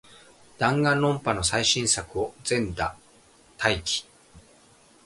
ダンガンロンパの最新作を、全裸待機